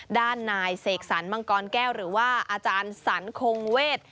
ด้านนายเสกสรรมังกรแก้วหรือว่าอาจารย์สรรคงเวท